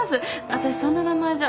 私そんな名前じゃ。